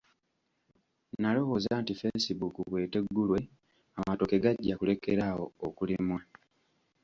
Nalowooza nti facebook bweteggulwe amatooke gajja kulekera awo okulimwa.